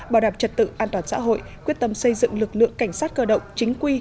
bảo đảm trật tự an toàn xã hội quyết tâm xây dựng lực lượng cảnh sát cơ động chính quy